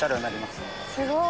すごい！